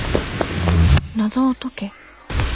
「謎を解け」。